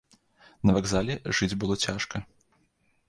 На вакзале жыць было цяжка.